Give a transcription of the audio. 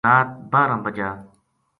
رات باہرہ بجا